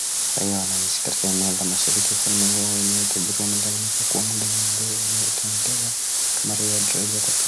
Raia wanao ishi katika eneo la mashariki katika ufalme huo wenye utajiri wa mafuta, wamelalamika kwa muda mrefu kwamba wanatendewa kama raia wa daraja la pili